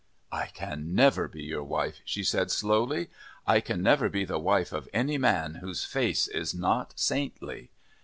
"I can never be your wife," she said, slowly. "I can never be the wife of any man whose face is not saintly.